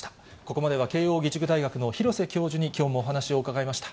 ここまでは慶応義塾大学の廣瀬教授に、きょうもお話を伺いました。